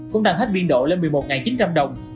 cũng đăng hết viên độ lên một mươi một chín trăm linh đồng